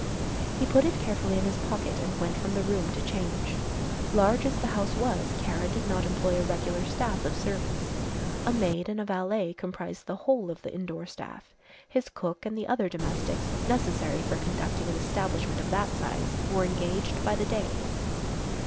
He put it carefully in his pocket and went from the room to change. Large as the house was Kara did not employ a regular staff of servants. A maid and a valet comprised the whole of the indoor staff. His cook, and the other domestics, necessary for conducting an establishment of that size, were engaged by the day.